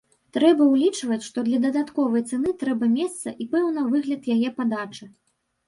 Трэба ўлічваць, што для дадатковай цэны трэба месца і пэўны выгляд яе падачы.